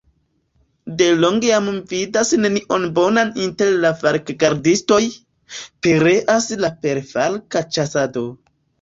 De longe jam mi vidas nenion bonan inter la falkgardistoj, pereas la perfalka ĉasado!